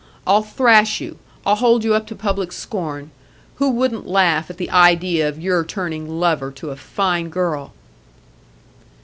I'll thrash you; I'll hold you up to public scorn. Who wouldn't laugh at the idea of your turning lover to a fine girl?"